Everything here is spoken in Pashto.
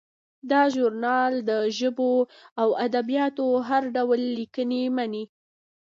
دا ژورنال د ژبو او ادبیاتو هر ډول لیکنې مني.